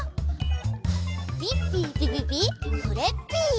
ピッピピピピクレッピー！